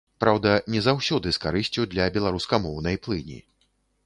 Праўда, не заўсёды з карысцю для беларускамоўнай плыні.